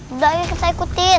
udah aja kita ikutin